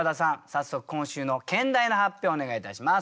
早速今週の兼題の発表をお願いいたします。